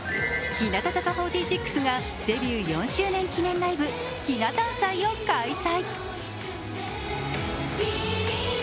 日向坂４６がデビュー４周年記念ライブひな誕祭を開催。